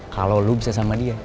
kalau lo bisa sama dia